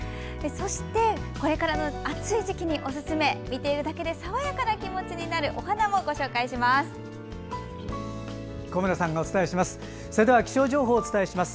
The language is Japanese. そして、これからの暑い時期におすすめ見ているだけで爽やかな気持ちになる小村さんがお伝えします。